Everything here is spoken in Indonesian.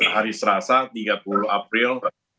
hari selasa tiga puluh april